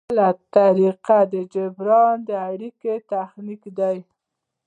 بله طریقه د جبري اړیکو تخنیک دی.